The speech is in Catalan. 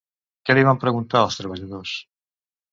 Què li van preguntar els treballadors?